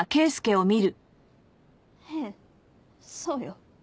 ええそうよ。